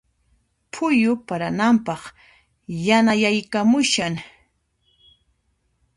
Phuyu parananpaq yanayaykamushan.